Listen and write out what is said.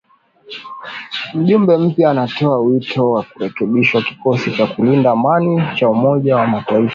Mjumbe mpya anatoa wito wa kurekebishwa kikosi cha kulinda amani cha Umoja wa Mataifa